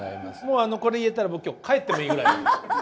もうあのこれ言えたら僕今日帰ってもいいぐらいです。